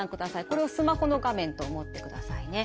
これをスマホの画面と思ってくださいね。